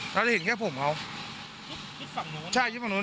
แล้วได้เห็นแค่ผมเขาชิดฝั่งโน้นใช่ชิดฝั่งโน้น